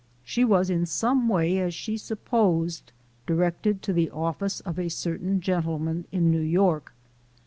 She was in some way, as she supposed, directed to the office of a certain gentleman in New York.